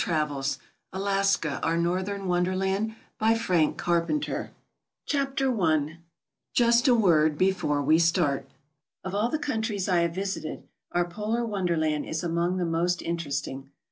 56 xv ALASKA OUR NORTHERN WONDERLAND ALASKA OUR NORTHERN WONDERLAND CHAPTER I JUST A WORD BEFORE WE START OF ALL the countries I have visited, our Polar Wonderland is among the most interesting.